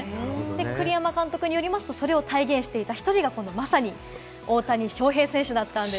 栗山監督によりますと、それを体現していた１人が、まさに大谷翔平選手だったんです。